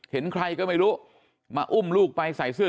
เห็นใครก็ไม่รู้มาอุ้มลูกไปใส่เสื้อ